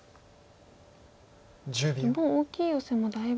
もう大きいヨセもだいぶ。